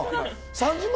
３０万。